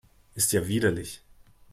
Ist ja widerlich